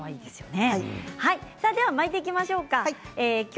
では、巻いていきましょう。